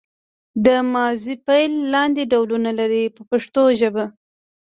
دا ماضي فعل لاندې ډولونه لري په پښتو ژبه.